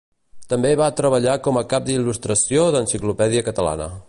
També va treballar com a cap d'il·lustració d'Enciclopèdia Catalana.